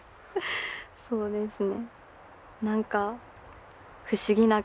そうですね